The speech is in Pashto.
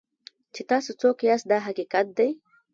چې تاسو څوک یاست دا حقیقت دی.